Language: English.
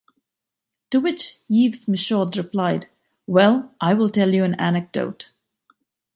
To which Yves Michaud replied: Well, I will tell you an anecdote.